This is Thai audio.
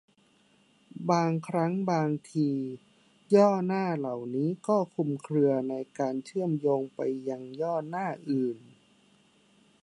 บางครั้งบางที ย่อหน้าเหล่านี้ก็คลุมเครือในการเชื่อมโยงไปยังย่อหน้าอื่น